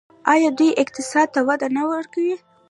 آیا دوی اقتصاد ته وده نه ورکوي؟